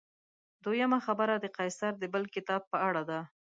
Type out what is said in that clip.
دویمه خبره د قیصر د بل کتاب په اړه ده.